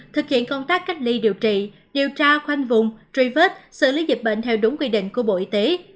thực hiện công tác cách ly điều trị điều tra khoanh vùng truy vết xử lý dịch bệnh theo đúng quy định của bộ y tế